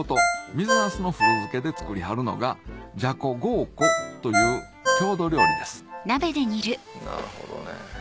水なすの古漬けで作りはるのがじゃこごうこという郷土料理ですなるほどね。